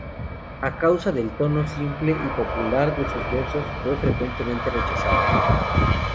A causa del tono simple y popular de sus versos fue frecuentemente rechazado.